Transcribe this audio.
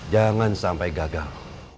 jangan sampai gagal